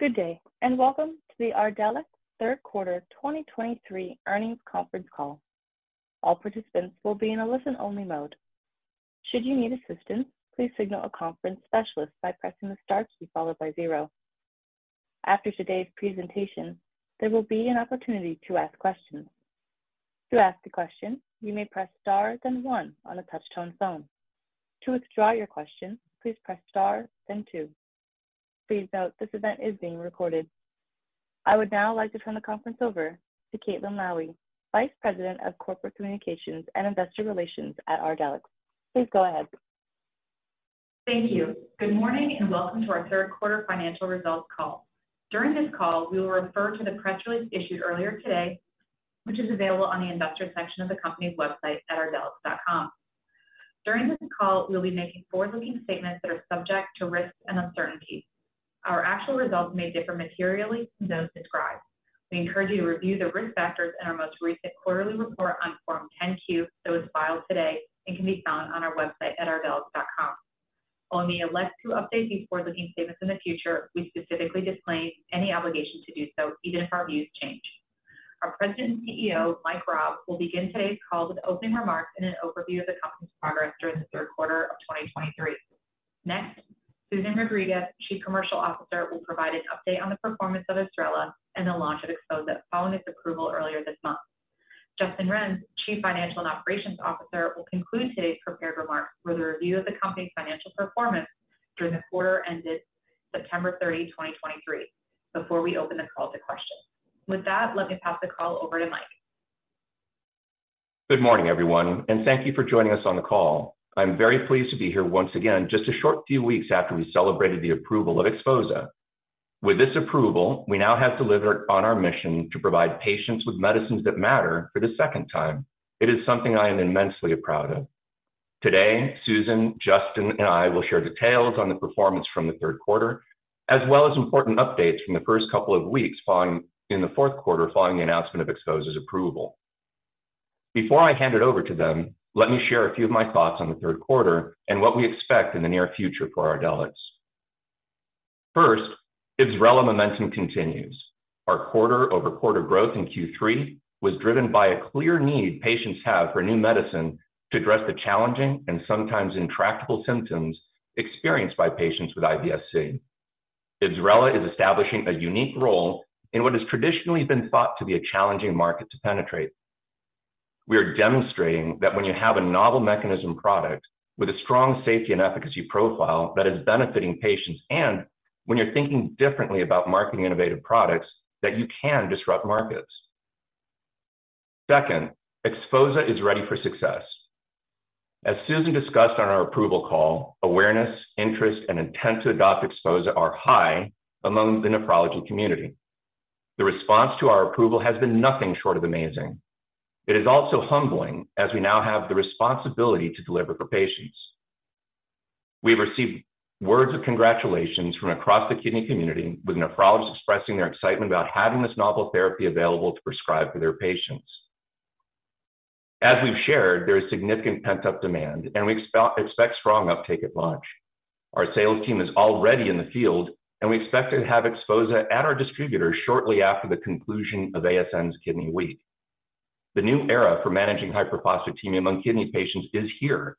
Good day, and welcome to the Ardelyx third quarter 2023 earnings conference call. All participants will be in a listen-only mode. Should you need assistance, please signal a conference specialist by pressing the star key followed by zero. After today's presentation, there will be an opportunity to ask questions. To ask a question, you may press star, then one on a touch-tone phone. To withdraw your question, please press star, then two. Please note, this event is being recorded. I would now like to turn the conference over to Caitlin Lowie, Vice President of Corporate Communications and Investor Relations at Ardelyx. Please go ahead. Thank you. Good morning, and welcome to our third quarter financial results call. During this call, we will refer to the press release issued earlier today, which is available on the investor section of the company's website at ardelyx.com. During this call, we'll be making forward-looking statements that are subject to risks and uncertainties. Our actual results may differ materially from those described. We encourage you to review the risk factors in our most recent quarterly report on Form 10-Q that was filed today and can be found on our website at ardelyx.com. While we may elect to update these forward-looking statements in the future, we specifically disclaim any obligation to do so, even if our views change. Our President and CEO, Michael Raab, will begin today's call with opening remarks and an overview of the company's progress during the third quarter of 2023. Next, Susan Rodriguez, Chief Commercial Officer, will provide an update on the performance of IBSRELA and the launch of XPHOZAH following its approval earlier this month. Justin Renz, Chief Financial and Operations Officer, will conclude today's prepared remarks with a review of the company's financial performance during the quarter ended September 30, 2023, before we open the call to questions. With that, let me pass the call over to Michael. Good morning, everyone, and thank you for joining us on the call. I'm very pleased to be here once again, just a short few weeks after we celebrated the approval of XPHOZAH. With this approval, we now have delivered on our mission to provide patients with medicines that matter for the second time. It is something I am immensely proud of. Today, Susan, Justin, and I will share details on the performance from the third quarter, as well as important updates from the first couple of weeks following, in the fourth quarter, following the announcement of XPHOZAH's approval. Before I hand it over to them, let me share a few of my thoughts on the third quarter and what we expect in the near future for Ardelyx. First, IBSRELA momentum continues. Our quarter-over-quarter growth in Q3 was driven by a clear need patients have for new medicine to address the challenging and sometimes intractable symptoms experienced by patients with IBS-C. IBSRELA is establishing a unique role in what has traditionally been thought to be a challenging market to penetrate. We are demonstrating that when you have a novel mechanism product with a strong safety and efficacy profile that is benefiting patients, and when you're thinking differently about marketing innovative products, that you can disrupt markets. Second, XPHOZAH is ready for success. As Susan discussed on our approval call, awareness, interest, and intent to adopt XPHOZAH are high among the nephrology community. The response to our approval has been nothing short of amazing. It is also humbling, as we now have the responsibility to deliver for patients. We've received words of congratulations from across the kidney community, with nephrologists expressing their excitement about having this novel therapy available to prescribe to their patients. As we've shared, there is significant pent-up demand, and we expect strong uptake at launch. Our sales team is already in the field, and we expect to have XPHOZAH at our distributors shortly after the conclusion of ASN's Kidney Week. The new era for managing hyperphosphatemia among kidney patients is here.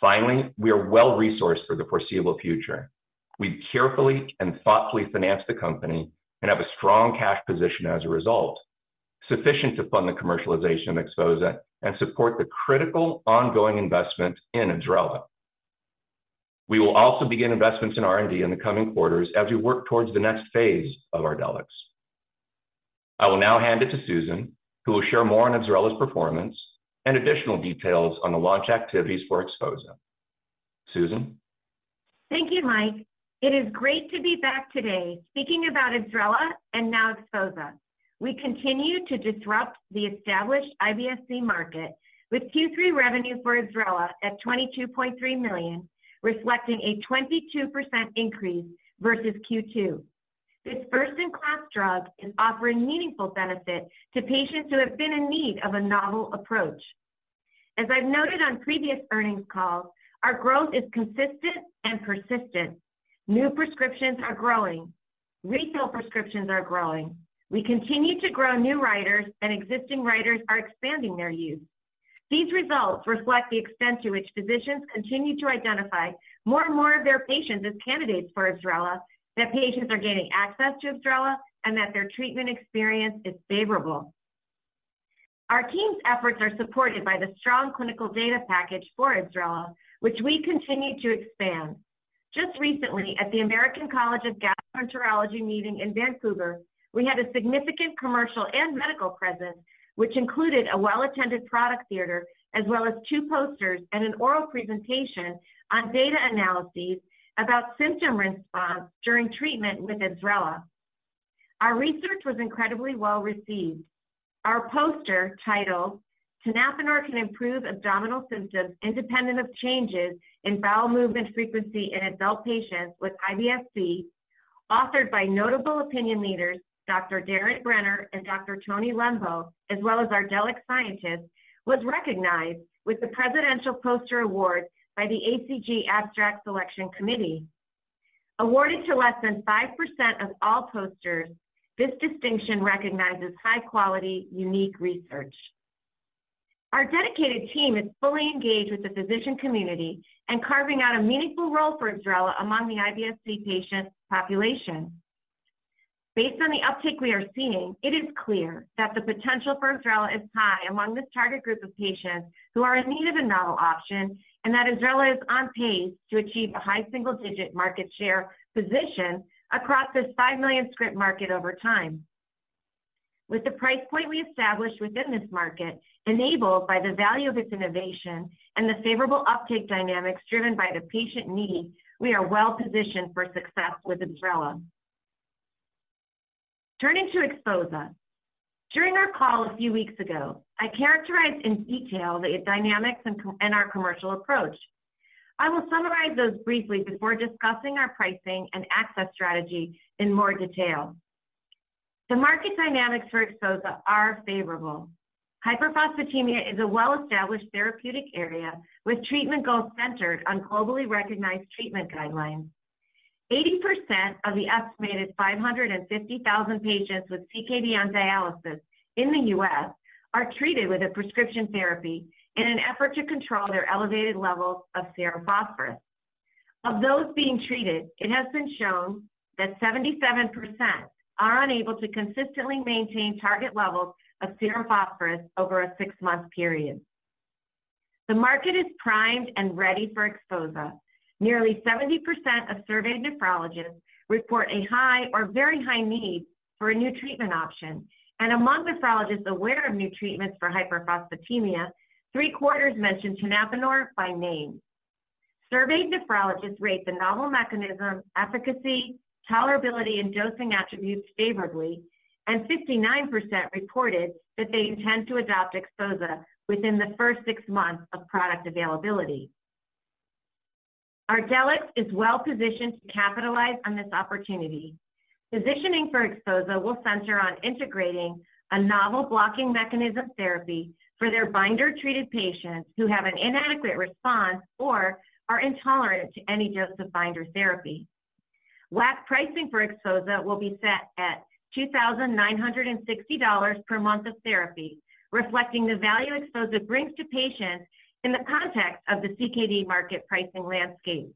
Finally, we are well-resourced for the foreseeable future. We've carefully and thoughtfully financed the company and have a strong cash position as a result, sufficient to fund the commercialization of XPHOZAH and support the critical ongoing investment in IBSRELA. We will also begin investments in R&D in the coming quarters as we work towards the next phase of Ardelyx. I will now hand it to Susan, who will share more on IBSRELA's performance and additional details on the launch activities for XPHOZAH. Susan? Thank you, Mike. It is great to be back today speaking about IBSRELA and now XPHOZAH. We continue to disrupt the established IBS-C market, with Q3 revenue for IBSRELA at $22.3 million, reflecting a 22% increase versus Q2. This first-in-class drug is offering meaningful benefit to patients who have been in need of a novel approach. As I've noted on previous earnings calls, our growth is consistent and persistent. New prescriptions are growing. Refill prescriptions are growing. We continue to grow new writers, and existing writers are expanding their use. These results reflect the extent to which physicians continue to identify more and more of their patients as candidates for IBSRELA, that patients are gaining access to IBSRELA, and that their treatment experience is favorable. Our team's efforts are supported by the strong clinical data package for IBSRELA, which we continue to expand. Just recently, at the American College of Gastroenterology meeting in Vancouver, we had a significant commercial and medical presence, which included a well-attended product theater as well as two posters and an oral presentation on data analyses about symptom response during treatment with IBSRELA. Our research was incredibly well-received. Our poster, titled "Tenapanor Can Improve Abdominal Symptoms Independent of Changes in Bowel Movement Frequency in Adult Patients with IBS-C," authored by notable opinion leaders, Dr. Darren Brenner and Dr. Anthony Lembo, as well as Ardelyx scientists, was recognized with the Presidential Poster Award by the ACG Abstract Selection Committee. Awarded to less than 5% of all posters, this distinction recognizes high-quality, unique research. Our dedicated team is fully engaged with the physician community and carving out a meaningful role for IBSRELA among the IBS-C patient population. Based on the uptake we are seeing, it is clear that the potential for IBSRELA is high among this target group of patients who are in need of a novel option, and that IBSRELA is on pace to achieve a high single-digit market share position across this 5 million script market over time. With the price point we established within this market, enabled by the value of its innovation and the favorable uptake dynamics driven by the patient need, we are well positioned for success with IBSRELA. Turning to XPHOZAH. During our call a few weeks ago, I characterized in detail the dynamics and our commercial approach. I will summarize those briefly before discussing our pricing and access strategy in more detail. The market dynamics for XPHOZAH are favorable. Hyperphosphatemia is a well-established therapeutic area, with treatment goals centered on globally recognized treatment guidelines. 80% of the estimated 550,000 patients with CKD on dialysis in the U.S. are treated with a prescription therapy in an effort to control their elevated levels of serum phosphorus. Of those being treated, it has been shown that 77% are unable to consistently maintain target levels of serum phosphorus over a six-month period. The market is primed and ready for XPHOZAH. Nearly 70% of surveyed nephrologists report a high or very high need for a new treatment option, and among nephrologists aware of new treatments for hyperphosphatemia, 3/4 mentioned tenapanor by name. Surveyed nephrologists rate the novel mechanism, efficacy, tolerability, and dosing attributes favorably, and 59% reported that they intend to adopt XPHOZAH within the first six months of product availability. Ardelyx is well positioned to capitalize on this opportunity. Positioning for XPHOZAH will center on integrating a novel blocking mechanism therapy for their binder-treated patients who have an inadequate response or are intolerant to any dose of binder therapy. WAC pricing for XPHOZAH will be set at $2,960 per month of therapy, reflecting the value XPHOZAH brings to patients in the context of the CKD market pricing landscape.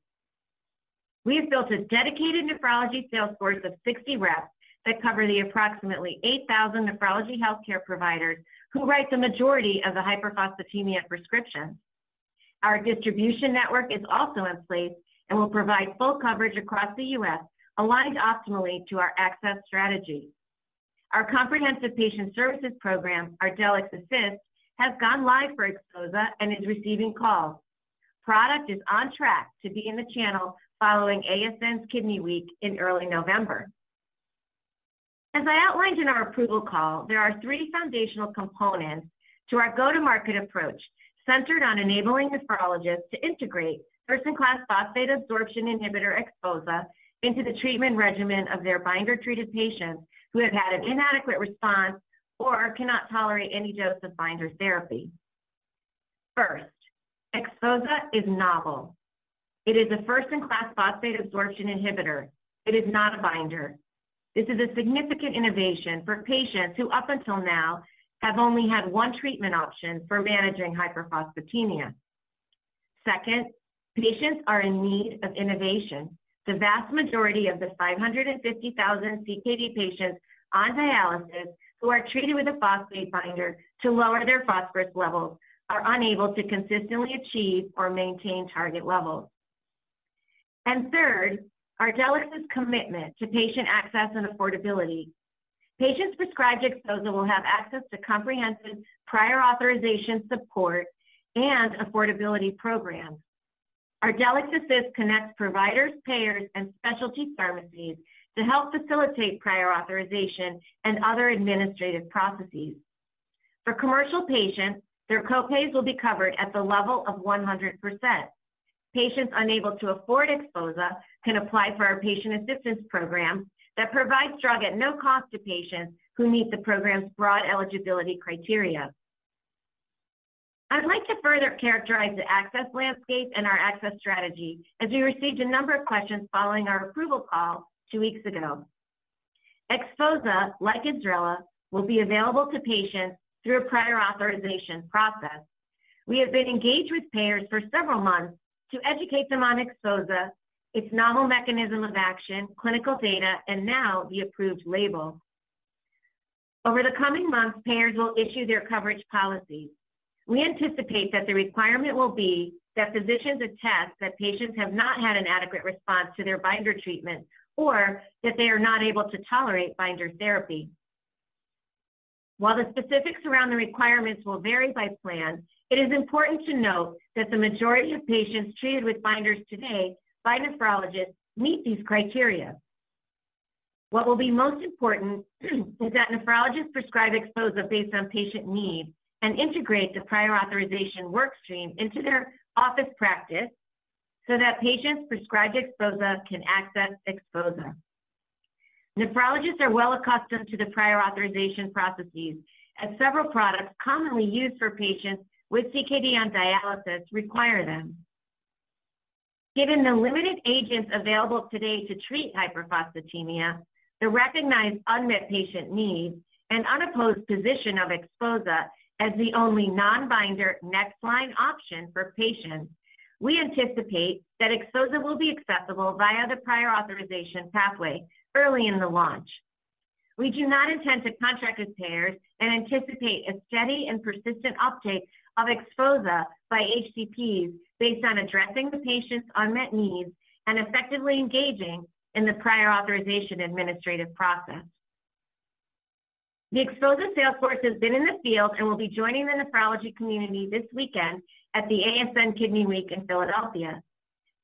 We have built a dedicated nephrology sales force of 60 reps that cover the approximately 8,000 nephrology healthcare providers who write the majority of the hyperphosphatemia prescriptions. Our distribution network is also in place and will provide full coverage across the U.S., aligned optimally to our access strategy. Our comprehensive patient services program, Ardelyx Assist, has gone live for XPHOZAH and is receiving calls. Product is on track to be in the channel following ASN Kidney Week in early November. As I outlined in our approval call, there are three foundational components to our go-to-market approach, centered on enabling nephrologists to integrate first-in-class phosphate absorption inhibitor XPHOZAH into the treatment regimen of their binder-treated patients who have had an inadequate response or cannot tolerate any dose of binder therapy. First, XPHOZAH is novel. It is a first-in-class phosphate absorption inhibitor. It is not a binder. This is a significant innovation for patients who, up until now, have only had one treatment option for managing hyperphosphatemia. Second, patients are in need of innovation. The vast majority of the 550,000 CKD patients on dialysis who are treated with a phosphate binder to lower their phosphorus levels are unable to consistently achieve or maintain target levels. Third, Ardelyx's commitment to patient access and affordability. Patients prescribed XPHOZAH will have access to comprehensive prior authorization, support, and affordability programs. Ardelyx Assist connects providers, payers, and specialty pharmacies to help facilitate prior authorization and other administrative processes. For commercial patients, their co-pays will be covered at the level of 100%. Patients unable to afford XPHOZAH can apply for our patient assistance program that provides drug at no cost to patients who meet the program's broad eligibility criteria. I'd like to further characterize the access landscape and our access strategy, as we received a number of questions following our approval call two weeks ago. XPHOZAH, like IBSRELA, will be available to patients through a prior authorization process. We have been engaged with payers for several months to educate them on XPHOZAH, its novel mechanism of action, clinical data, and now the approved label. Over the coming months, payers will issue their coverage policies. We anticipate that the requirement will be that physicians attest that patients have not had an adequate response to their binder treatment or that they are not able to tolerate binder therapy. While the specifics around the requirements will vary by plan, it is important to note that the majority of patients treated with binders today by nephrologists meet these criteria. What will be most important is that nephrologists prescribe XPHOZAH based on patient need and integrate the prior authorization workstream into their office practice so that patients prescribed XPHOZAH can access XPHOZAH. Nephrologists are well accustomed to the prior authorization processes, as several products commonly used for patients with CKD on dialysis require them. Given the limited agents available today to treat hyperphosphatemia, the recognized unmet patient needs, and unopposed position of XPHOZAH as the only non-binder next line option for patients, we anticipate that XPHOZAH will be acceptable via the prior authorization pathway early in the launch. We do not intend to contract with payers and anticipate a steady and persistent uptake of XPHOZAH by HCPs based on addressing the patient's unmet needs and effectively engaging in the prior authorization administrative process. The XPHOZAH sales force has been in the field and will be joining the nephrology community this weekend at the ASN Kidney Week in Philadelphia.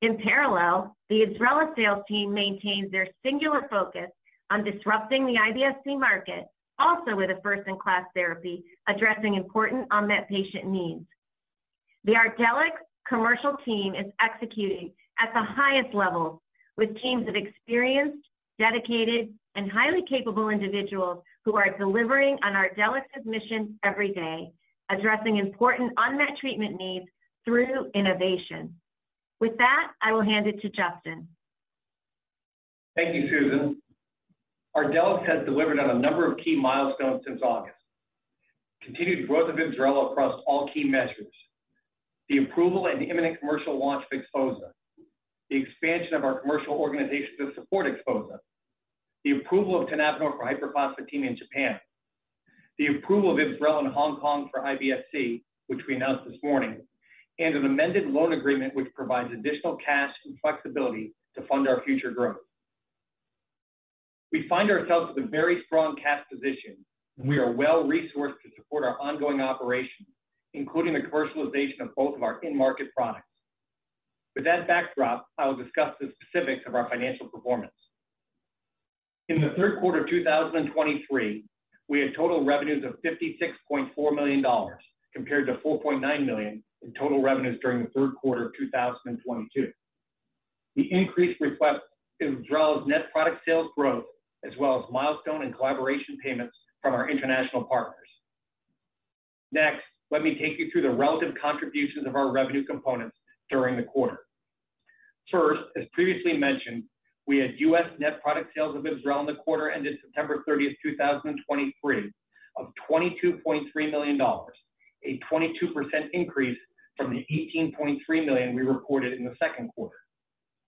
In parallel, the IBSRELA sales team maintains their singular focus on disrupting the IBS-C market, also with a first-in-class therapy, addressing important unmet patient needs. The Ardelyx commercial team is executing at the highest level with teams of experienced, dedicated, and highly capable individuals who are delivering on Ardelyx's mission every day, addressing important unmet treatment needs through innovation. With that, I will hand it to Justin. Thank you, Susan. Ardelyx has delivered on a number of key milestones since August. Continued growth of IBSRELA across all key measures, the approval and imminent commercial launch of XPHOZAH, the expansion of our commercial organization to support XPHOZAH, the approval of tenapanor for hyperphosphatemia in Japan, the approval of IBSRELA in Hong Kong for IBS-C, which we announced this morning, and an amended loan agreement, which provides additional cash and flexibility to fund our future growth. We find ourselves with a very strong cash position. We are well-resourced to support our ongoing operations, including the commercialization of both of our in-market products. With that backdrop, I will discuss the specifics of our financial performance. In the third quarter of 2023, we had total revenues of $56.4 million, compared to $4.9 million in total revenues during the third quarter of 2022. The increase resulted in IBSRELA's net product sales growth, as well as milestone and collaboration payments from our international partners. Next, let me take you through the relative contributions of our revenue components during the quarter. First, as previously mentioned, we had U.S. net product sales of IBSRELA in the quarter ended September 30, 2023, of $22.3 million, a 22% increase from the $18.3 million we reported in the second quarter.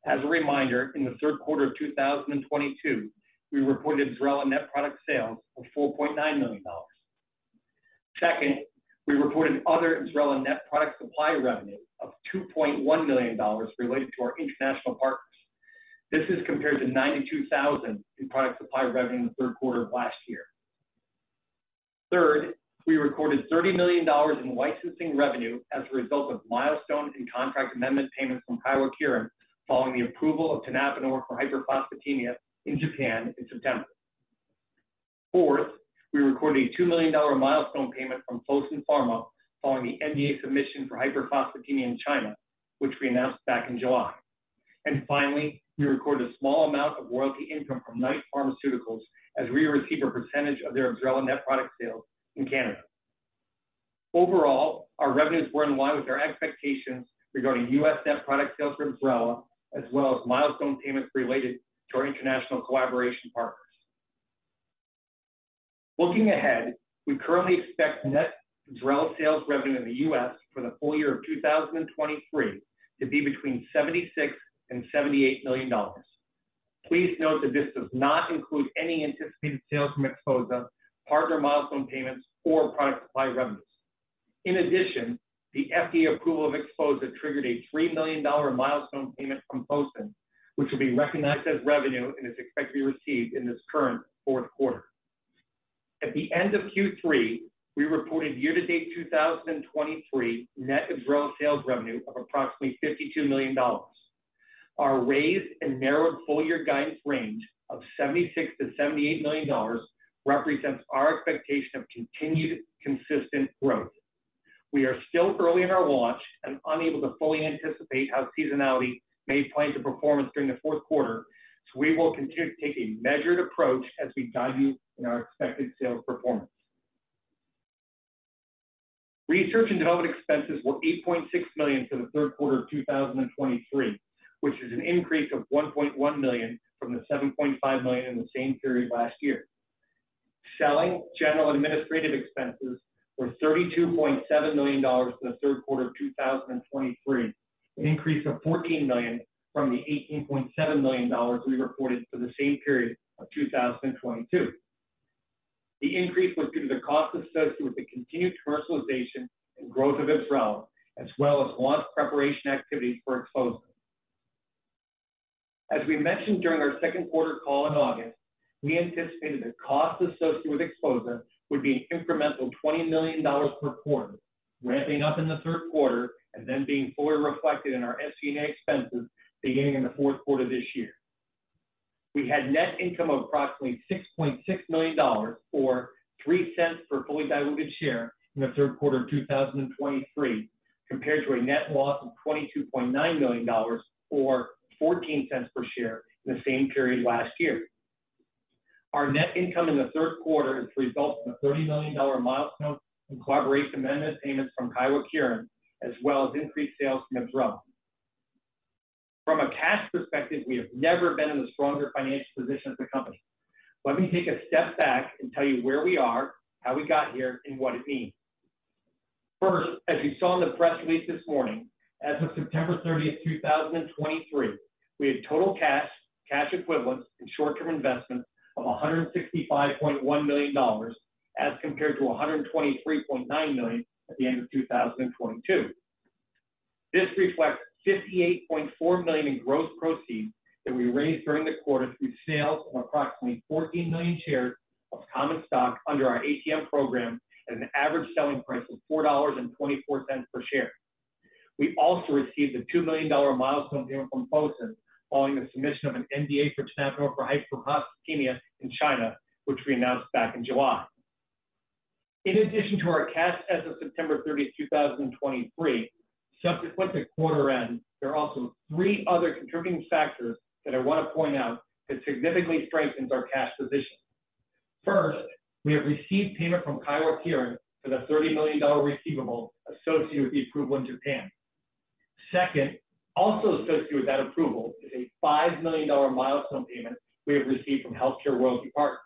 As a reminder, in the third quarter of 2022, we reported IBSRELA net product sales of $4.9 million. Second, we reported other IBSRELA net product supply revenue of $2.1 million related to our international partners. This is compared to $92,000 in product supply revenue in the third quarter of last year. Third, we recorded $30 million in licensing revenue as a result of milestone and contract amendment payments from Kyowa Kirin following the approval of tenapanor for hyperphosphatemia in Japan in September. Fourth, we recorded a $2 million milestone payment from Fosun Pharma following the NDA submission for hyperphosphatemia in China, which we announced back in July. And finally, we recorded a small amount of royalty income from Knight Therapeutics as we receive a percentage of their IBSRELA net product sales in Canada. Overall, our revenues were in line with our expectations regarding U.S. net product sales for IBSRELA, as well as milestone payments related to our international collaboration partners. Looking ahead, we currently expect net IBSRELA sales revenue in the U.S. for the full year of 2023 to be between $76 million and $78 million. Please note that this does not include any anticipated sales from XPHOZAH, partner milestone payments, or product supply revenues. In addition, the FDA approval of XPHOZAH triggered a $3 million milestone payment from Fosun, which will be recognized as revenue and is expected to be received in this current fourth quarter. At the end of Q3, we reported year-to-date 2023 net IBSRELA sales revenue of approximately $52 million. Our raised and narrowed full-year guidance range of $76 million-$78 million represents our expectation of continued consistent growth. We are still early in our launch and unable to fully anticipate how seasonality may play into performance during the fourth quarter, so we will continue to take a measured approach as we guide you in our expected sales performance. Research and development expenses were $8.6 million for the third quarter of 2023, which is an increase of $1.1 million from the $7.5 million in the same period last year. Selling general administrative expenses were $32.7 million in the third quarter of 2023, an increase of $14 million from the $18.7 million we reported for the same period of 2022. The increase was due to the cost associated with the continued commercialization and growth of IBSRELA, as well as launch preparation activities for XPHOZAH. As we mentioned during our second quarter call in August, we anticipated that costs associated with XPHOZAH would be an incremental $20 million per quarter, ramping up in the third quarter and then being fully reflected in our SG&A expenses beginning in the fourth quarter this year. We had net income of approximately $6.6 million, or $0.03 per fully diluted share in the third quarter of 2023, compared to a net loss of $22.9 million, or $0.14 per share in the same period last year. Our net income in the third quarter is the result of a $30 million milestone in collaboration amendment payments from Kyowa Kirin, as well as increased sales from IBSRELA. From a cash perspective, we have never been in a stronger financial position as a company. Let me take a step back and tell you where we are, how we got here, and what it means. First, as you saw in the press release this morning, as of September 30, 2023, we had total cash, cash equivalents, and short-term investments of $165.1 million, as compared to $123.9 million at the end of 2022. This reflects $58.4 million in gross proceeds that we raised during the quarter through sales of approximately 14 million shares of common stock under our ATM program, at an average selling price of $4.24 per share. We also received a $2 million milestone payment from Fosun, following the submission of an NDA for tenapanor for hyperphosphatemia in China, which we announced back in July. In addition to our cash as of September 30, 2023, subsequent to quarter end, there are also three other contributing factors that I want to point out that significantly strengthens our cash position. First, we have received payment from Kyowa Kirin for the $30 million receivable associated with the approval in Japan. Second, also associated with that approval, is a $5 million milestone payment we have received from Healthcare Royalty Partners.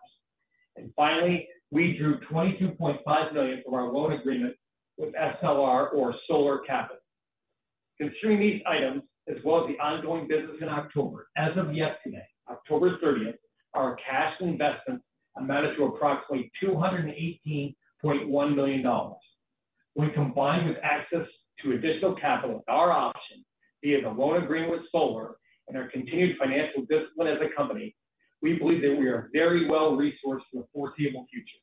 And finally, we drew $22.5 million from our loan agreement with SLR or Solar Capital. Considering these items, as well as the ongoing business in October, as of yesterday, October 30, our cash investments amounted to approximately $218.1 million. When combined with access to additional capital at our option, via the loan agreement with Solar and our continued financial discipline as a company, we believe that we are very well-resourced for the foreseeable future.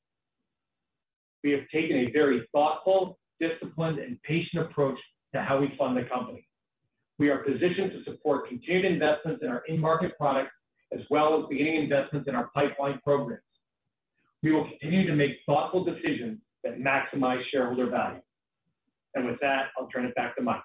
We have taken a very thoughtful, disciplined, and patient approach to how we fund the company. We are positioned to support continued investments in our in-market products, as well as beginning investments in our pipeline programs. We will continue to make thoughtful decisions that maximize shareholder value. With that, I'll turn it back to Michael.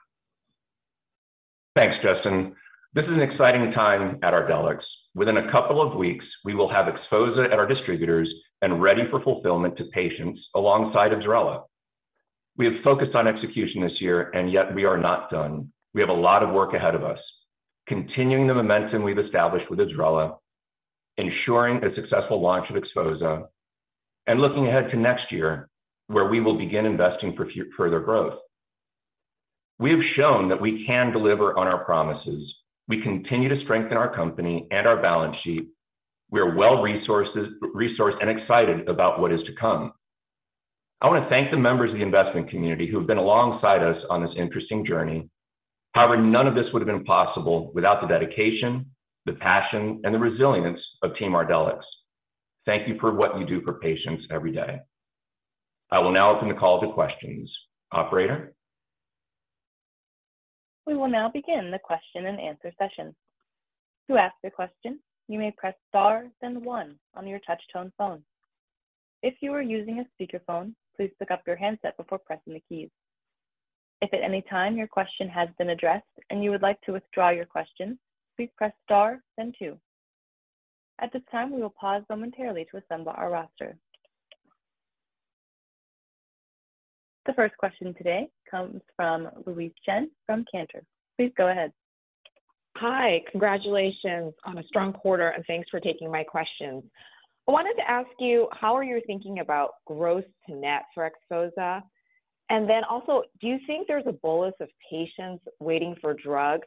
Thanks, Justin. This is an exciting time at Ardelyx. Within a couple of weeks, we will have XPHOZAH at our distributors and ready for fulfillment to patients alongside IBSRELA. We have focused on execution this year, and yet we are not done. We have a lot of work ahead of us, continuing the momentum we've established with IBSRELA, ensuring a successful launch of XPHOZAH, and looking ahead to next year, where we will begin investing for further growth. We have shown that we can deliver on our promises. We continue to strengthen our company and our balance sheet. We are well resourced and excited about what is to come. I want to thank the members of the investment community who have been alongside us on this interesting journey. However, none of this would have been possible without the dedication, the passion, and the resilience of Team Ardelyx. Thank you for what you do for patients every day. I will now open the call to questions. Operator? We will now begin the question and answer session. To ask a question, you may press star, then one on your touch tone phone. If you are using a speakerphone, please pick up your handset before pressing the keys. If at any time your question has been addressed and you would like to withdraw your question, please press star, then two. At this time, we will pause momentarily to assemble our roster. The first question today comes from Louise Chen from Cantor. Please go ahead. Hi, congratulations on a strong quarter, and thanks for taking my questions. I wanted to ask you, how are you thinking about gross to net for XPHOZAH? And then also, do you think there's a bolus of patients waiting for drug?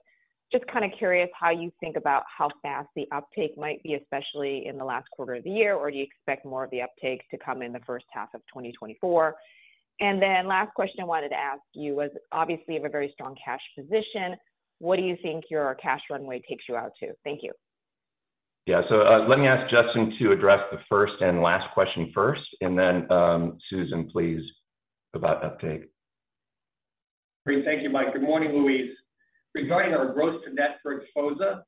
Just kind of curious how you think about how fast the uptake might be, especially in the last quarter of the year, or do you expect more of the uptake to come in the first half of 2024? And then last question I wanted to ask you was, obviously, you have a very strong cash position. What do you think your cash runway takes you out to? Thank you. Yeah. So, let me ask Justin to address the first and last question first, and then, Susan, please, about the update. Great. Thank you, Michael. Good morning, Louise. Regarding our gross to net for XPHOZAH,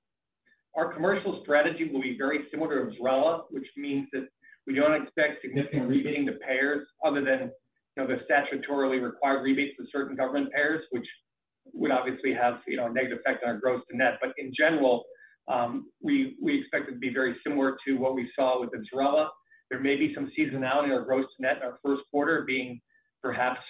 our commercial strategy will be very similar to IBSRELA, which means that we don't expect significant rebating to payers other than, you know, the statutorily required rebates to certain government payers, which would obviously have, you know, a negative effect on our gross to net. But in general, we expect it to be very similar to what we saw with IBSRELA. There may be some seasonality in our gross to net in our first quarter, being perhaps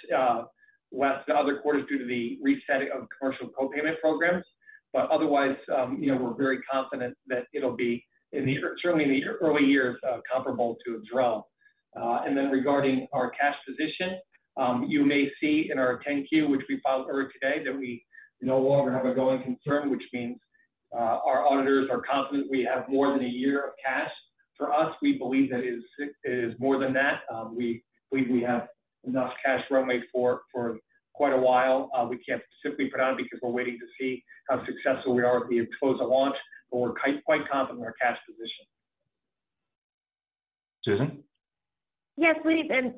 less the other quarters due to the resetting of commercial co-payment programs. But otherwise, you know, we're very confident that it'll be certainly in the early years comparable to IBSRELA. Then, regarding our cash position, you may see in our 10-Q, which we filed early today, that we no longer have a going concern, which means our auditors are confident we have more than a year of cash. For us, we believe that it is more than that. We have enough cash runway for quite a while. We can't specifically put it on because we're waiting to see how successful we are with the XPHOZAH launch, but we're quite confident in our cash position. Susan? Yes, please. And,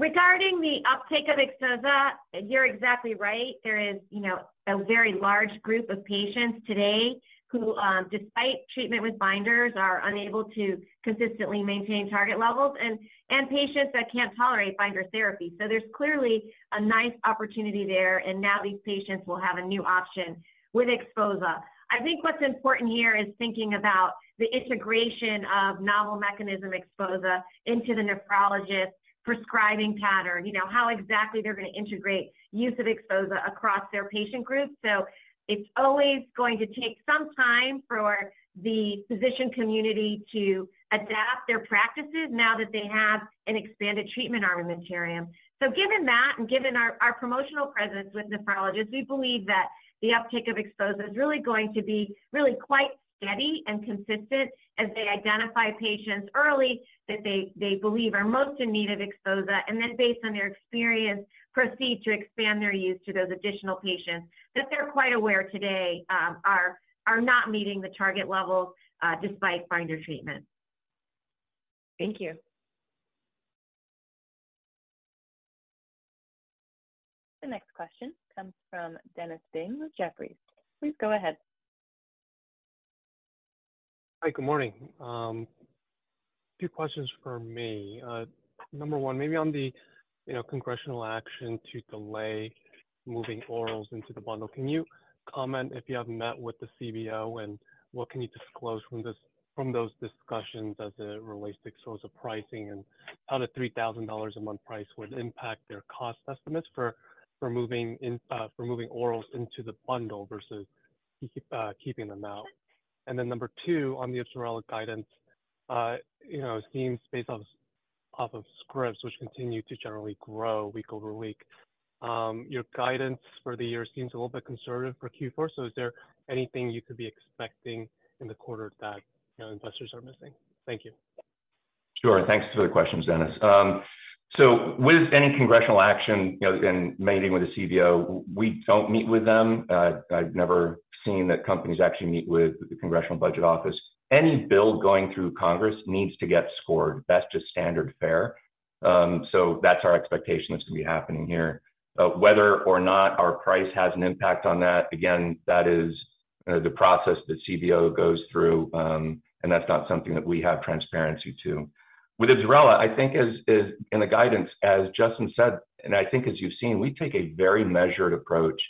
regarding the uptake of XPHOZAH, you're exactly right. There is, you know, a very large group of patients today who, despite treatment with binders, are unable to consistently maintain target levels, and patients that can't tolerate binder therapy. So there's clearly a nice opportunity there, and now these patients will have a new option with XPHOZAH. I think what's important here is thinking about the integration of novel mechanism XPHOZAH into the nephrologist prescribing pattern. You know, how exactly they're gonna integrate use of XPHOZAH across their patient groups. So it's always going to take some time for the physician community to adapt their practices now that they have an expanded treatment armamentarium. So given that, and given our promotional presence with nephrologists, we believe that the uptake of XPHOZAH is really going to be really quite steady and consistent as they identify patients early that they believe are most in need of XPHOZAH, and then, based on their experience, proceed to expand their use to those additional patients that they're quite aware today, are not meeting the target levels, despite binder treatment. Thank you. The next question comes from Dennis Ding with Jefferies. Please go ahead. Hi, good morning. Two questions for me. Number one, maybe on the, you know, congressional action to delay moving orals into the bundle, can you comment if you have met with the CBO, and what can you disclose from this from those discussions as it relates to XPHOZAH pricing, and how the $3,000 a month price would impact their cost estimates for moving orals into the bundle versus keeping them out? And then number two, on the IBSRELA guidance, you know, seems based off of scripts, which continue to generally grow week over week. Your guidance for the year seems a little bit conservative for Q4. So is there anything you could be expecting in the quarter that, you know, investors are missing? Thank you. Sure. Thanks for the questions, Dennis. So with any congressional action, you know, in meeting with the CBO, we don't meet with them. I've never seen that companies actually meet with the Congressional Budget Office. Any bill going through Congress needs to get scored. That's just standard fare. So that's our expectation that's gonna be happening here. Whether or not our price has an impact on that, again, that is the process the CBO goes through, and that's not something that we have transparency to. With IBSRELA, I think as in the guidance, as Justin said, and I think as you've seen, we take a very measured approach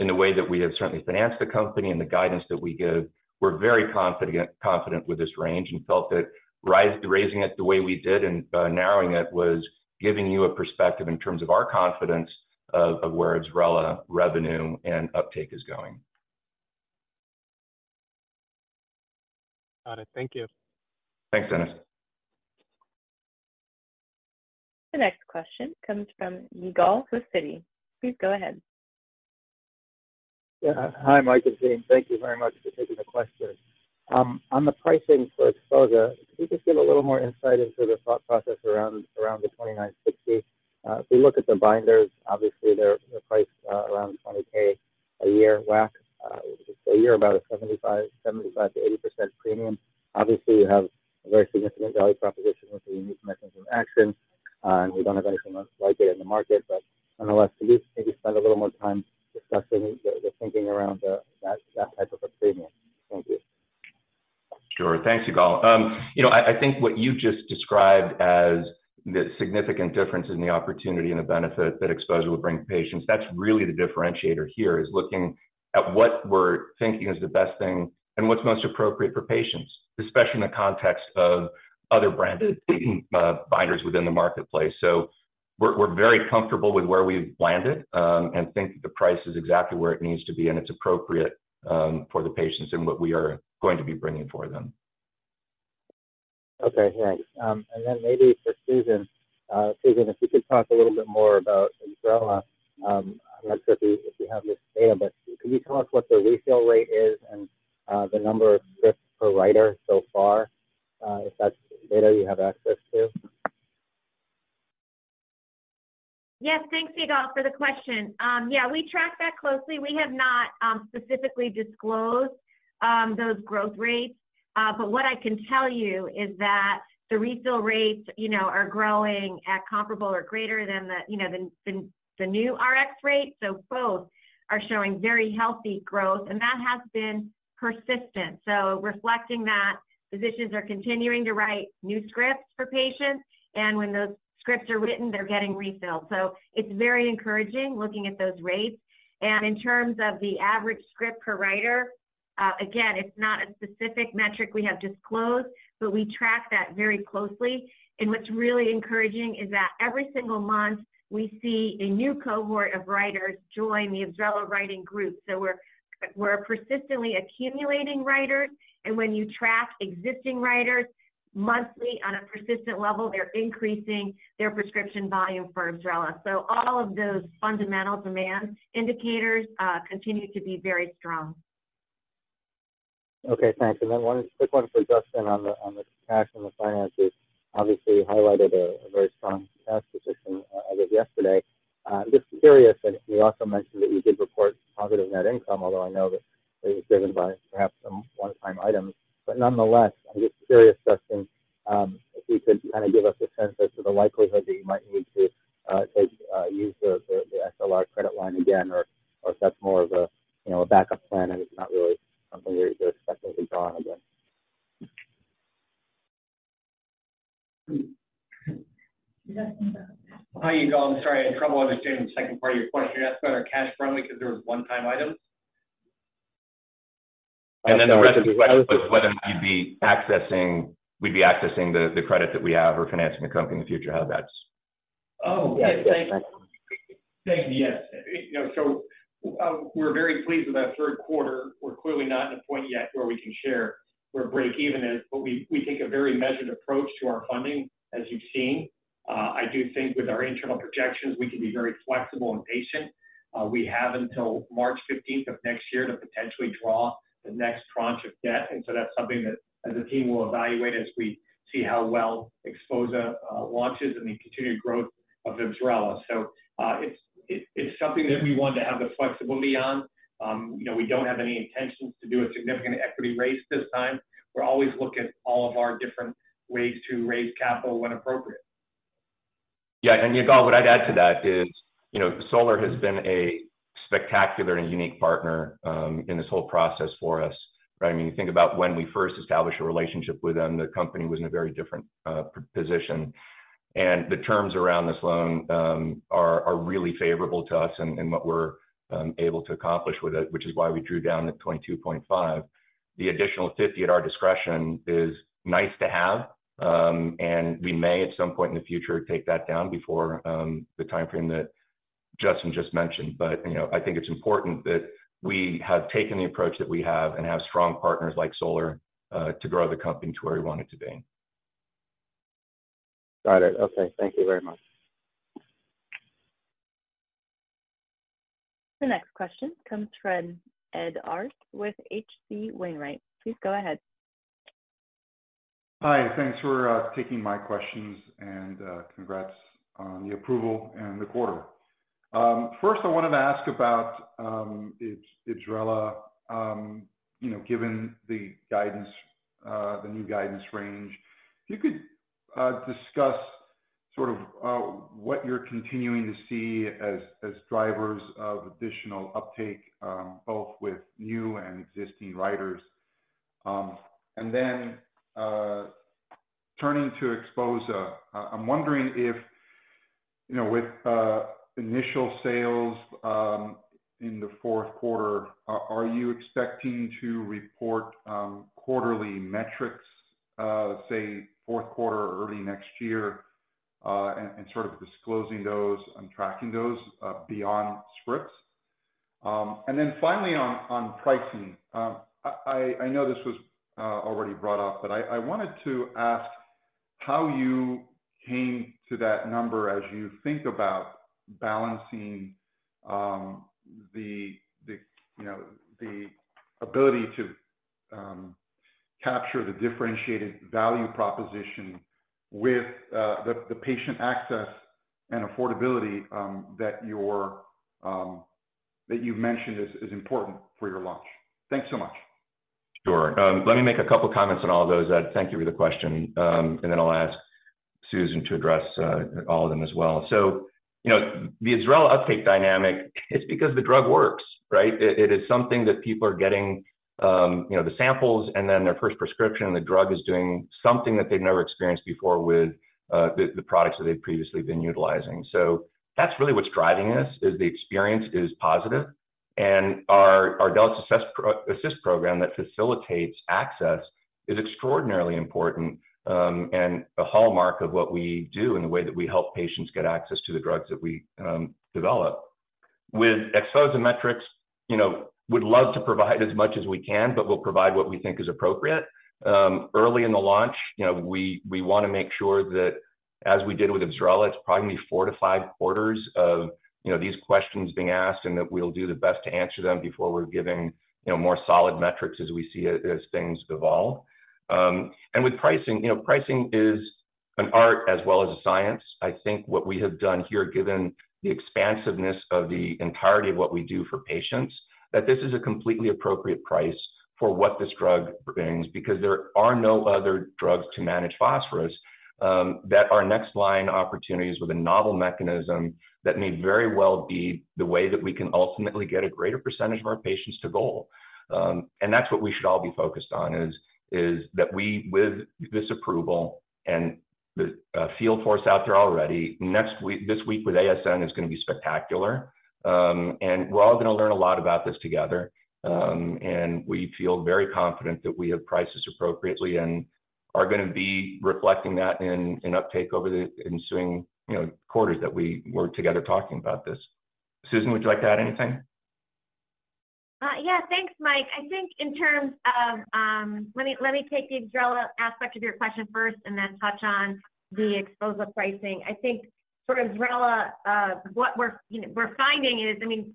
in the way that we have certainly financed the company and the guidance that we give. We're very confident, confident with this range and felt that raising it the way we did and narrowing it was giving you a perspective in terms of our confidence of where IBSRELA revenue and uptake is going. Got it. Thank you. Thanks, Dennis. The next question comes from Yigal with Citi. Please go ahead. Yeah. Hi, Michael and Justin. Thank you very much for taking the question. On the pricing for XPHOZAH, can you just give a little more insight into the thought process around the $2,960? If we look at the binders, obviously they're priced around $20,000 a year, WAC. A year about a 75%-80% premium. Obviously, you have a very significant value proposition with the unique mechanism action, and we don't have anything else like it in the market. But nonetheless, can you maybe spend a little more time discussing the thinking around that type of a premium? Thank you. Sure. Thanks, Yigal. You know, I think what you just described as the significant difference in the opportunity and the benefit that XPHOZAH would bring to patients, that's really the differentiator here, is looking at what we're thinking is the best thing and what's most appropriate for patients, especially in the context of other branded binders within the marketplace. So we're very comfortable with where we've landed, and think that the price is exactly where it needs to be, and it's appropriate for the patients and what we are going to be bringing for them. Okay, thanks. And then maybe for Susan. Susan, if you could talk a little bit more about IBSRELA. I'm not sure if you have this data, but could you tell us what the refill rate is and the number of scripts per writer so far, if that's data you have access to? Yes. Thanks, Yigal, for the question. Yeah, we track that closely. We have not specifically disclosed those growth rates. But what I can tell you is that the refill rates, you know, are growing at comparable or greater than the, you know, the new Rx rates. So both are showing very healthy growth, and that has been persistent. So reflecting that, physicians are continuing to write new scripts for patients, and when those scripts are written, they're getting refilled. So it's very encouraging looking at those rates. And in terms of the average script per writer, again, it's not a specific metric we have disclosed, but we track that very closely. And what's really encouraging is that every single month, we see a new cohort of writers join the IBSRELA writing group. So we're persistently accumulating writers, and when you track existing writers monthly on a persistent level, they're increasing their prescription volume for IBSRELA. All of those fundamental demand indicators continue to be very strong. Okay, thanks. And then one quick one for Justin on the cash and the finances. Obviously, you highlighted a very strong cash position as of yesterday. Just curious, and you also mentioned that you did report positive net income, although I know that it was driven by perhaps some one-time items. But nonetheless, I'm just curious, Justin, if you could kind of give us a sense as to the likelihood that you might need to use the SLR credit line again, or if that's more of a you know, a backup plan, and it's not really something you're expecting to draw on again? Hi, Yigal. I'm sorry, I had trouble understanding the second part of your question. You asked about our cash runway 'cause there was one-time items? And then the rest of the question was whether or not you'd be accessing, we'd be accessing the credit that we have or financing the company in the future, how that's- Oh, okay. Thank you. Thank you, yes. You know, so, we're very pleased with our third quarter. We're clearly not at a point yet where we can share where breakeven is, but we, we take a very measured approach to our funding, as you've seen. I do think with our internal projections, we can be very flexible and patient. We have until March fifteenth of next year to potentially draw the next tranche of debt, and so that's something that, as a team, we'll evaluate as we see how well XPHOZAH launches and the continued growth of IBSRELA. So, it's, it, it's something that we want to have the flexibility on. You know, we don't have any intentions to do a significant equity raise this time. We're always looking at all of our different ways to raise capital when appropriate. Yeah, and Yigal, what I'd add to that is, you know, Solar has been a spectacular and unique partner in this whole process for us, right? I mean, you think about when we first established a relationship with them, the company was in a very different position. And the terms around this loan are really favorable to us and what we're able to accomplish with it, which is why we drew down the $22.5. The additional $50 at our discretion is nice to have, and we may, at some point in the future, take that down before the timeframe that Justin just mentioned. But, you know, I think it's important that we have taken the approach that we have and have strong partners like Solar to grow the company to where we want it to be. Got it. Okay. Thank you very much. The next question comes from Ed Arce with H.C. Wainwright. Please go ahead. Hi, thanks for taking my questions, and congrats on the approval and the quarter. First, I wanted to ask about IBSRELA. You know, given the guidance, the new guidance range, if you could discuss sort of what you're continuing to see as drivers of additional uptake, both with new and existing writers. And then, turning to XPHOZAH, I'm wondering if, you know, with initial sales in the fourth quarter, are you expecting to report quarterly metrics, say, fourth quarter or early next year, and sort of disclosing those and tracking those beyond scripts? And then finally, on pricing. I know this was already brought up, but I wanted to ask how you came to that number as you think about balancing, you know, the ability to capture the differentiated value proposition with the patient access and affordability that you've mentioned is important for your launch. Thanks so much. Sure. Let me make a couple comments on all of those, Ed. Thank you for the question. And then I'll ask Susan to address all of them as well. So, you know, the IBSRELA uptake dynamic, it's because the drug works, right? It is something that people are getting, you know, the samples and then their first prescription, and the drug is doing something that they've never experienced before with the products that they've previously been utilizing. So that's really what's driving this, is the experience is positive, and our Ardelyx Assist program that facilitates access is extraordinarily important, and a hallmark of what we do and the way that we help patients get access to the drugs that we develop. With XPHOZAH metrics, you know, would love to provide as much as we can, but we'll provide what we think is appropriate. Early in the launch, you know, we wanna make sure that, as we did with IBSRELA, it's probably gonna be four to five quarters of, you know, these questions being asked, and that we'll do the best to answer them before we're giving, you know, more solid metrics as we see as things evolve. And with pricing, you know, pricing is an art as well as a science. I think what we have done here, given the expansiveness of the entirety of what we do for patients, that this is a completely appropriate price for what this drug brings because there are no other drugs to manage phosphorus, that are next-line opportunities with a novel mechanism that may very well be the way that we can ultimately get a greater percentage of our patients to goal. And that's what we should all be focused on, is that we, with this approval and the field force out there already, next week- this week with ASN is gonna be spectacular. And we're all gonna learn a lot about this together. And we feel very confident that we have priced this appropriately and are gonna be reflecting that in uptake over the ensuing, you know, quarters that we work together talking about this. Susan, would you like to add anything? Yeah. Thanks, Mike. I think in terms of. Let me take the IBSRELA aspect of your question first and then touch on the XPHOZAH pricing. I think for IBSRELA, what we're, you know, we're finding is, I mean,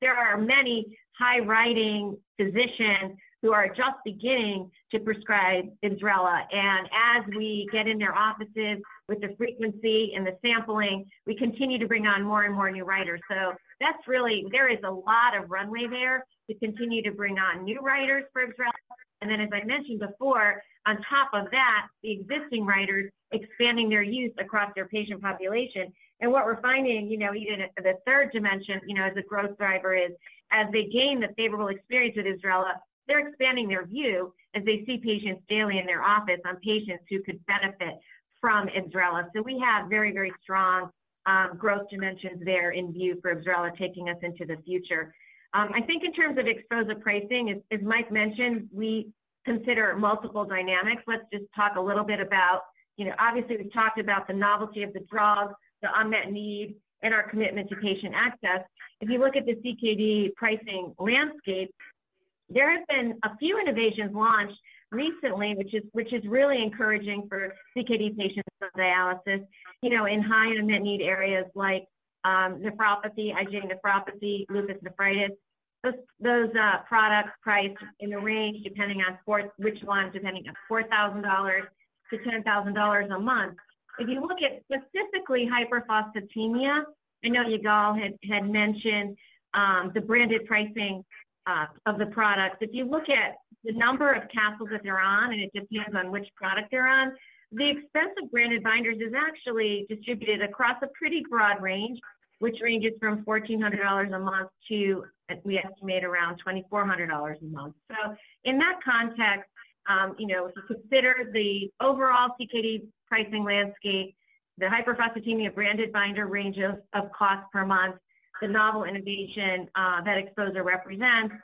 there are many high-writing physicians who are just beginning to prescribe IBSRELA. And as we get in their offices with the frequency and the sampling, we continue to bring on more and more new writers. So that's really, there is a lot of runway there to continue to bring on new writers for IBSRELA. And then, as I mentioned before, on top of that, the existing writers expanding their use across their patient population. And what we're finding, you know, even at the third dimension, you know, as a growth driver, is as they gain the favorable experience with IBSRELA, they're expanding their view as they see patients daily in their office, on patients who could benefit from IBSRELA. So we have very, very strong, growth dimensions there in view for IBSRELA, taking us into the future. I think in terms of exposure pricing, as Michael mentioned, we consider multiple dynamics. Let's just talk a little bit about, you know, obviously, we've talked about the novelty of the drug, the unmet need, and our commitment to patient access. If you look at the CKD pricing landscape, there have been a few innovations launched recently, which is really encouraging for CKD patients on dialysis, you know, in high unmet need areas like, nephropathy, IgA nephropathy, lupus nephritis. Those, products priced in the range, depending on which one, depending on $4,000-$10,000 a month. If you look at specifically hyperphosphatemia, I know Yigal had mentioned, the branded pricing, of the product. If you look at the number of capsules that they're on, and it depends on which product they're on, the expensive branded binders is actually distributed across a pretty broad range, which ranges from $1,400 a month to, we estimate around $2,400 a month. So in that context, you know, if you consider the overall CKD pricing landscape, the hyperphosphatemia branded binder range of cost per month, the novel innovation, that exposure represents,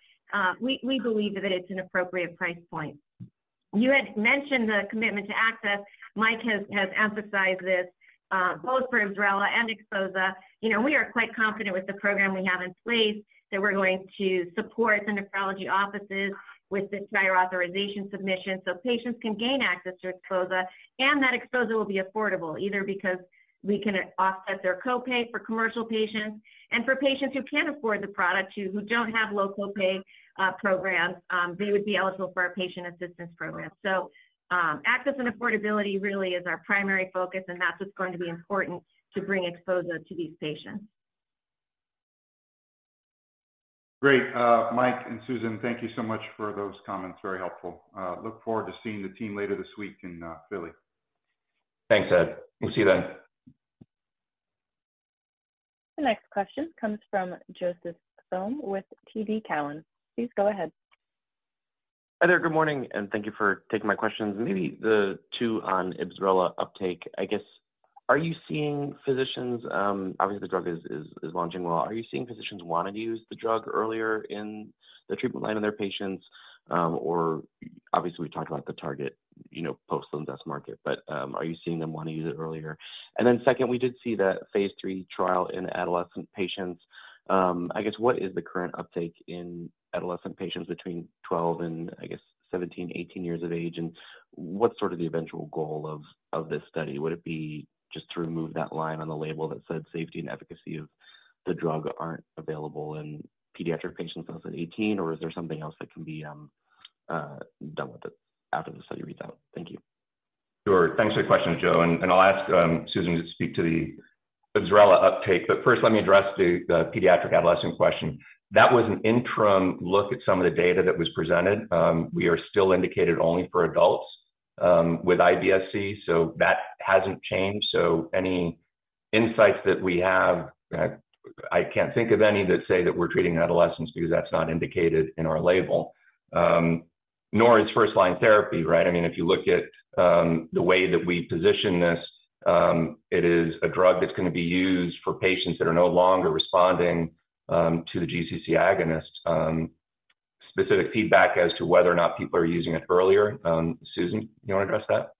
we believe that it's an appropriate price point. You had mentioned the commitment to access. Mike has emphasized this, both for IBSRELA and XPHOZAH. You know, we are quite confident with the program we have in place, that we're going to support the nephrology offices with this prior authorization submission, so patients can gain access to XPHOZAH. That XPHOZAH will be affordable, either because we can offset their co-pay for commercial patients, and for patients who can't afford the product, who don't have low co-pay programs, they would be eligible for our patient assistance program. So, access and affordability really is our primary focus, and that's what's going to be important to bring XPHOZAH to these patients. Great. Michael and Susan, thank you so much for those comments. Very helpful. Look forward to seeing the team later this week in Philly. Thanks, Ed. We'll see you then. The next question comes from Joseph Thome with TD Cowen. Please go ahead. Hi there, good morning, and thank you for taking my questions. Maybe the two on IBSRELA uptake. I guess, are you seeing physicians... obviously, the drug is launching well. Are you seeing physicians want to use the drug earlier in the treatment line of their patients? Or obviously, we talked about the target, you know, post-linaclotide market, but, are you seeing them want to use it earlier? And then second, we did see the phase 3 trial in adolescent patients. I guess, what is the current uptake in adolescent patients between 12 and, I guess, 17, 18 years of age? And what's sort of the eventual goal of this study? Would it be just to remove that line on the label that said, "Safety and efficacy of the drug aren't available in pediatric patients less than 18," or is there something else that can be done with it after the study reads out? Thank you. Sure. Thanks for the question, Joseph, and I'll ask Susan to speak to the IBSRELA uptake. But first, let me address the pediatric adolescent question. That was an interim look at some of the data that was presented. We are still indicated only for adults with IBS-C, so that hasn't changed. So any insights that we have, I can't think of any that say that we're treating adolescents, because that's not indicated in our label, nor is first-line therapy, right? I mean, if you look at the way that we position this, it is a drug that's gonna be used for patients that are no longer responding to the GCC agonist. Specific feedback as to whether or not people are using it earlier, Susan, you want to address that?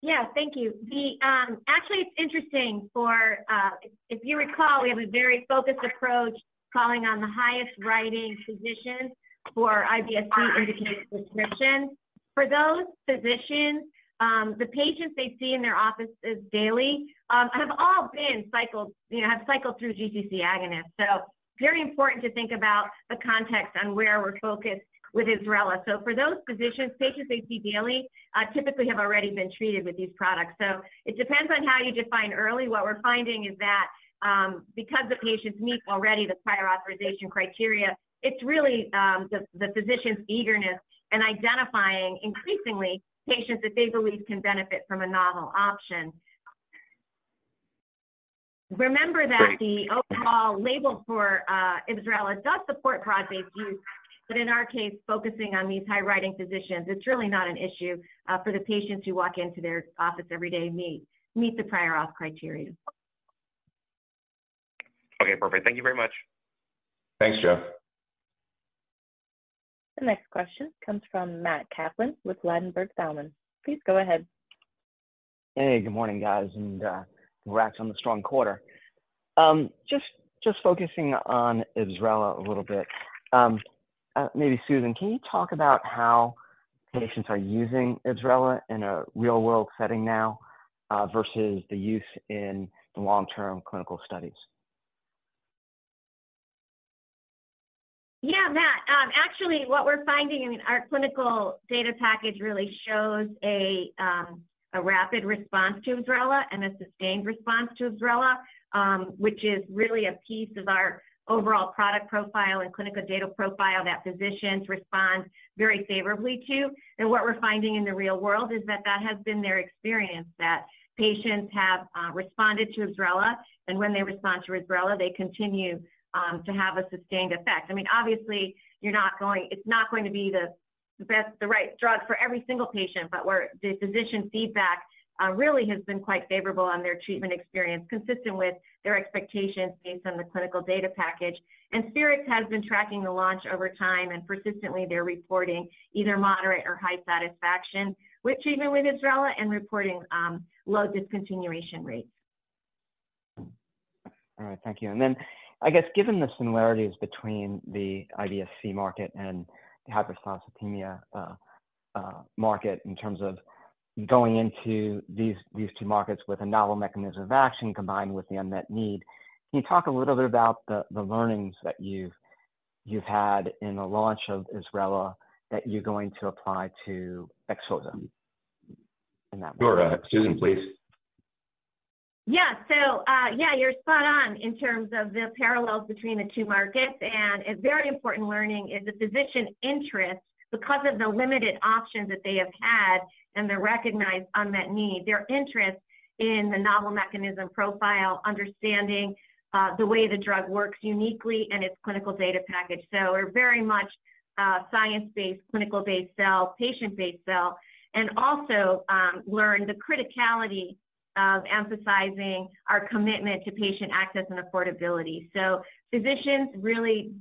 Yeah. Thank you. The, actually, it's interesting for, if, if you recall, we have a very focused approach calling on the highest prescribing physicians for IBS-C indicated prescription. For those physicians, the patients they see in their offices daily, have all been cycled, you know, have cycled through GCC agonists. So very important to think about the context on where we're focused with IBSRELA. So for those physicians, patients they see daily, typically have already been treated with these products, so it depends on how you define early. What we're finding is that, because the patients meet already the prior authorization criteria, it's really, the, the physician's eagerness in identifying increasingly patients that they believe can benefit from a novel option. Great. Remember that the overall label for IBSRELA does support broad-based use, but in our case, focusing on these high-writing physicians, it's really not an issue for the patients who walk into their office every day meet the prior auth criteria. Okay, perfect. Thank you very much. Thanks, Joseph. The next question comes from Matt Kaplan with Ladenburg Thalmann. Please go ahead. Hey, good morning, guys, and, congrats on the strong quarter. Just, just focusing on IBSRELA a little bit. Maybe Susan, can you talk about how patients are using IBSRELA in a real-world setting now, versus the use in the long-term clinical studies? Yeah, Matt. Actually, what we're finding in our clinical data package really shows a rapid response to IBSRELA and a sustained response to IBSRELA, which is really a piece of our overall product profile and clinical data profile that physicians respond very favorably to. And what we're finding in the real world is that that has been their experience, that patients have responded to IBSRELA, and when they respond to IBSRELA, they continue to have a sustained effect. I mean, obviously, you're not going-it's not going to be the best, the right drug for every single patient, but we're-the physician feedback really has been quite favorable on their treatment experience, consistent with their expectations based on the clinical data package. And Spherix has been tracking the launch over time, and persistently, they're reporting either moderate or high satisfaction with treatment with IBSRELA and reporting low discontinuation rates. All right. Thank you. And then, I guess, given the similarities between the IBS-C market and the hyperphosphatemia market, in terms of going into these two markets with a novel mechanism of action combined with the unmet need, can you talk a little bit about the learnings that you've had in the launch of IBSRELA that you're going to apply to XPHOZAH in that? Sure. Susan, please. Yeah. So, yeah, you're spot on in terms of the parallels between the two markets, and a very important learning is the physician interest, because of the limited options that they have had and the recognized unmet need, their interest in the novel mechanism profile, understanding, the way the drug works uniquely and its clinical data package. So we're very much a science-based, clinical-based sell, patient-based sell, and also, learned the criticality of emphasizing our commitment to patient access and affordability. So physicians, really,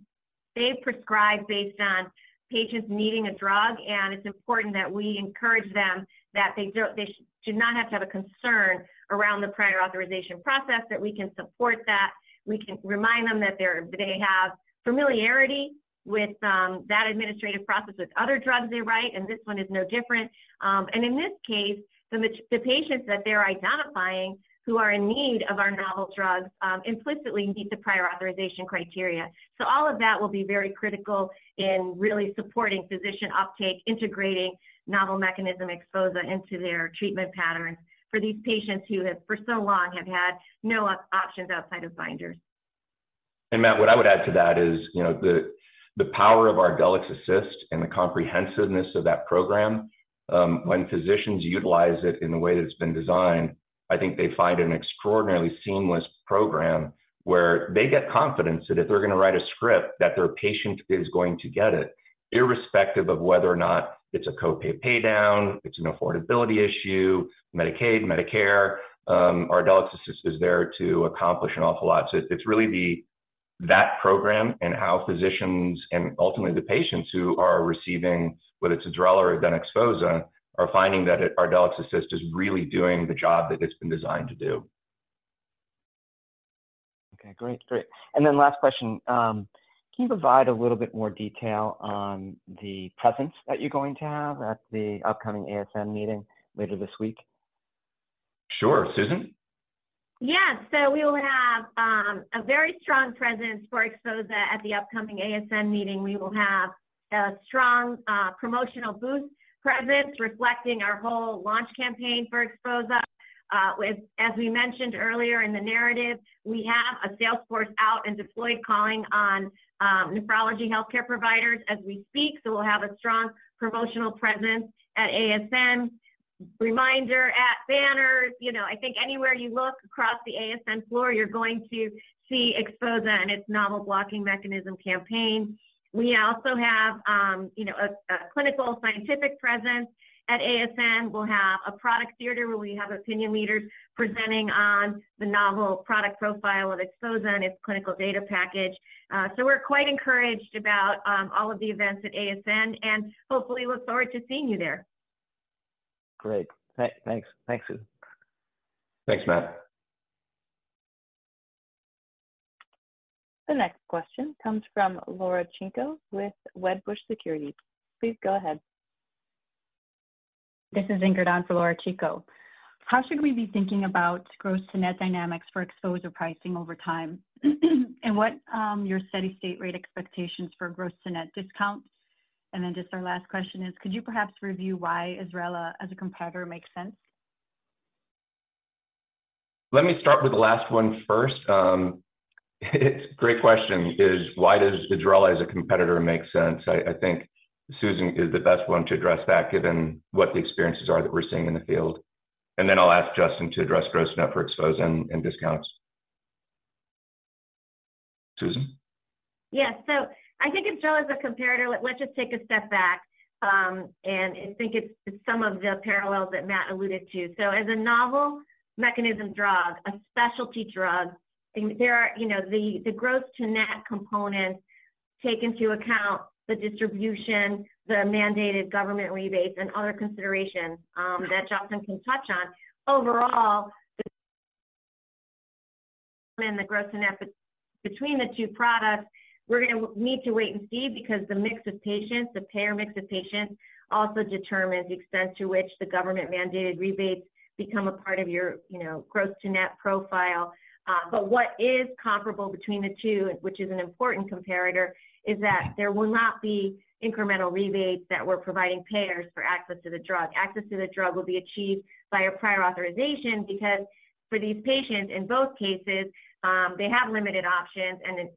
they prescribe based on patients needing a drug, and it's important that we encourage them that they don't they should not have to have a concern around the prior authorization process, that we can support that. We can remind them that they're they have familiarity with, that administrative process with other drugs they write, and this one is no different. And in this case, the patients that they're identifying who are in need of our novel drug implicitly meet the prior authorization criteria. So all of that will be very critical in really supporting physician uptake, integrating novel mechanism XPHOZAH into their treatment patterns for these patients who, for so long, have had no options outside of binders. And, Matt, what I would add to that is, you know, the power of Ardelyx Assist and the comprehensiveness of that program, when physicians utilize it in the way that it's been designed, I think they find an extraordinarily seamless program where they get confidence that if they're gonna write a script, that their patient is going to get it, irrespective of whether or not it's a co-pay pay down, it's an affordability issue, Medicaid, Medicare. Ardelyx Assist is there to accomplish an awful lot. So it's really that program and how physicians and ultimately the patients who are receiving, whether it's IBSRELA or then XPHOZAH, are finding that Ardelyx Assist is really doing the job that it's been designed to do. Okay, great, great. And then last question, can you provide a little bit more detail on the presence that you're going to have at the upcoming ASN meeting later this week? Sure. Susan? Yeah. So we will have a very strong presence for XPHOZAH at the upcoming ASN meeting. We will have a strong promotional booth presence reflecting our whole launch campaign for XPHOZAH. As we mentioned earlier in the narrative, we have a sales force out and deployed, calling on nephrology healthcare providers as we speak, so we'll have a strong promotional presence at ASN. Reminder ad banners, you know, I think anywhere you look across the ASN floor, you're going to see XPHOZAH and its novel blocking mechanism campaign. We also have, you know, a clinical scientific presence at ASN. We'll have a product theater where we have opinion leaders presenting on the novel product profile of XPHOZAH and its clinical data package. We're quite encouraged about all of the events at ASN, and hopefully we look forward to seeing you there. Great. Thanks, Michael. Thanks, Susan. Thanks, Matt. The next question comes from Laura Chico with Wedbush Securities. Please go ahead. This is Ingrid on for Laura Chico. How should we be thinking about gross to net dynamics for XPHOZAH pricing over time? And what, your steady state rate expectations for gross to net discounts? And then just our last question is, could you perhaps review why IBSRELA as a competitor makes sense? Let me start with the last one first. It's a great question, is why does IBSRELA as a competitor make sense? I think Susan is the best one to address that, given what the experiences are that we're seeing in the field. And then I'll ask Justin to address gross-to-net for XPHOZAH and discounts. Susan? Yeah. So I think IBSRELA as a competitor, let's just take a step back, and think it's some of the parallels that Matt alluded to. So as a novel mechanism drug, a specialty drug, I think there are, you know, the gross to net components take into account the distribution, the mandated government rebates, and other considerations, that Justin can touch on. Overall, and the gross to net between the two products, we're gonna need to wait and see because the mix of patients, the payer mix of patients, also determines the extent to which the government-mandated rebates become a part of your, you know, gross to net profile. But what is comparable between the two, which is an important comparator, is that there will not be incremental rebates that we're providing payers for access to the drug. Access to the drug will be achieved by a prior authorization, because for these patients, in both cases, they have limited options and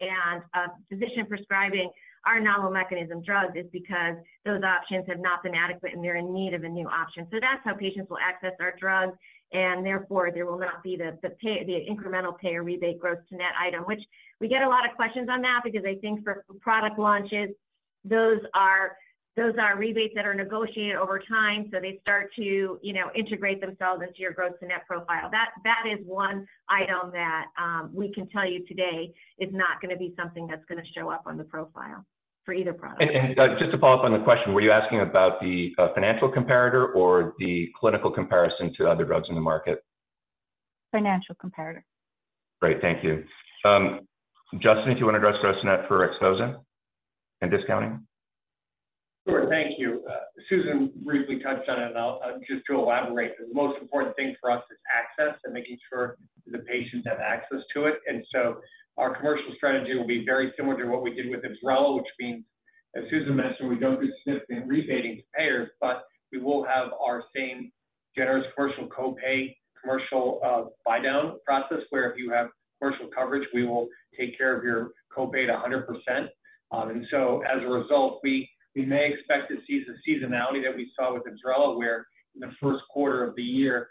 a physician prescribing our novel mechanism drug is because those options have not been adequate, and they're in need of a new option. So that's how patients will access our drug, and therefore, there will not be the incremental payer rebate gross to net item. Which we get a lot of questions on that because I think for product launches, those are rebates that are negotiated over time, so they start to, you know, integrate themselves into your gross to net profile. That is one item that we can tell you today is not gonna be something that's gonna show up on the profile for either product. Just to follow up on the question, were you asking about the financial comparator or the clinical comparison to other drugs in the market? Financial comparator. Great, thank you. Justin, do you wanna address gross to net for XPHOZAH and discounting? Sure, thank you. Susan briefly touched on it, and I'll just to elaborate, the most important thing for us is access and making sure the patients have access to it. And so our commercial strategy will be very similar to what we did with IBSRELA, which means, as Susan mentioned, we don't do significant rebating to payers, but we will have our same generous commercial co-pay, commercial, buy-down process, where if you have commercial coverage, we will take care of your co-pay at 100%. And so as a result, we, we may expect to see the seasonality that we saw with Linzess, where in the first quarter of the year,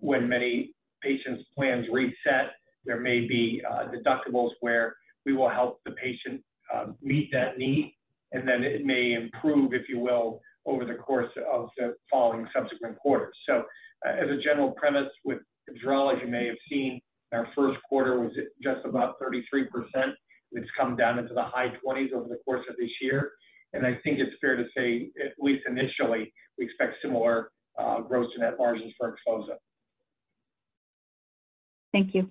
when many patients' plans reset, there may be deductibles where we will help the patient meet that need, and then it may improve, if you will, over the course of the following subsequent quarters. So as a general premise, with Linzess, you may have seen our first quarter was at just about 33%. It's come down into the high twenties over the course of this year, and I think it's fair to say, at least initially, we expect similar gross-to-net margins for XPHOZAH. Thank you.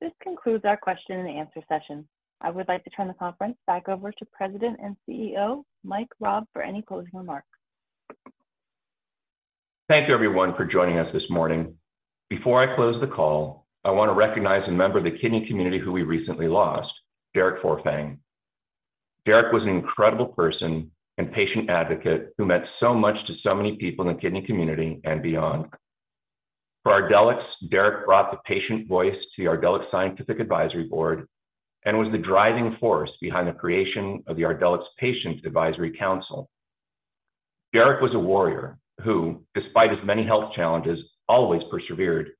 This concludes our question and answer session. I would like to turn the conference back over to President and CEO, Mike Raab, for any closing remarks. Thank you, everyone, for joining us this morning. Before I close the call, I wanna recognize a member of the kidney community who we recently lost, Derek Forfang. Derek was an incredible person and patient advocate who meant so much to so many people in the kidney community and beyond. For Ardelyx, Derek brought the patient voice to the Ardelyx Scientific Advisory Board and was the driving force behind the creation of the Ardelyx Patient Advisory Council. Derek was a warrior who, despite his many health challenges, always persevered,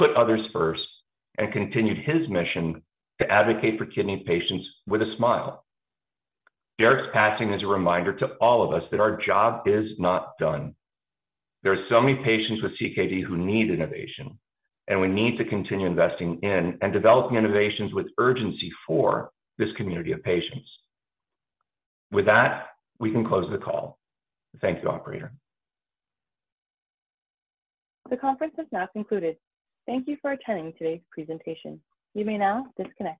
put others first, and continued his mission to advocate for kidney patients with a smile. Derek's passing is a reminder to all of us that our job is not done. There are so many patients with CKD who need innovation, and we need to continue investing in and developing innovations with urgency for this community of patients. With that, we can close the call. Thank you, operator. The conference is now concluded. Thank you for attending today's presentation. You may now disconnect.